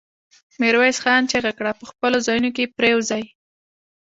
ميرويس خان چيغه کړه! په خپلو ځايونو کې پرېوځي.